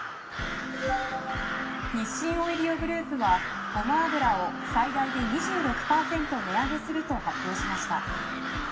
日清オイリオグループはゴマ油を最大で２６％値上げすると発表しました。